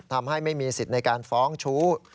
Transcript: ทำให้ไม่มีสิทธิ์ในการฟ้องชู้